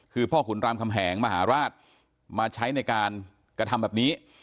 คือพ่อขุนรามคำแหงมหาราชมาใช้ในการกระทำแบบนี้